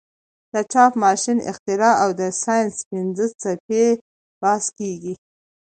د چاپ ماشین اختراع او د ساینس پنځه څپې بحث کیږي.